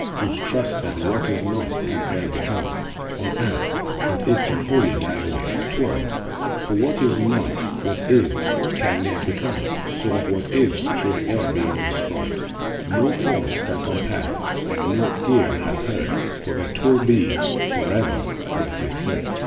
Who trust that what is not can e'er become, Or aught that is can wholly die away. 12. From what is not what is can ne'er become; So that what is should e'er be all destroyed, No force could compass and no ear hath heard— For there 'twill be forever where 'tis set.